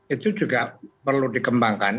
itu juga perlu dikembangkan